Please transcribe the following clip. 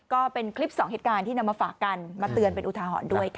ก็เป็นคลิปสองเหตุการณ์ที่นำมาฝากกันมาเตือนเป็นอุทาหรณ์ด้วยค่ะ